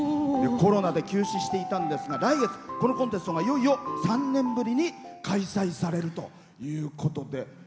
コロナで休止していたんですが来月、このコンテストがいよいよ３年ぶりに開催されるということで。